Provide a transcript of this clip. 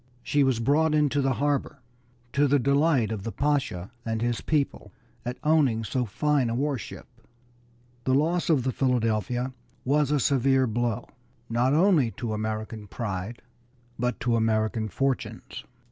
She was brought into the harbor, to the delight of the Pasha and his people at owning so fine a war ship. The loss of the Philadelphia was a severe blow, not only to American pride, but to American fortunes.